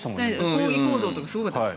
抗議報道とかすごかったです。